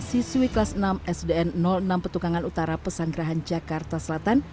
siswi kelas enam sdn enam petugangan utara pesan gerahan jakarta selatan